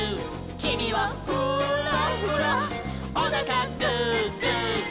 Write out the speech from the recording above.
「きみはフーラフラ」「おなかグーグーグー」